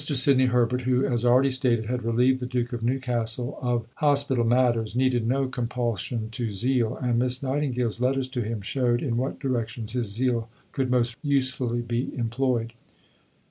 Sidney Herbert, who (as already stated) had relieved the Duke of Newcastle of hospital matters, needed no compulsion to zeal, and Miss Nightingale's letters to him showed in what directions his zeal could most usefully be employed.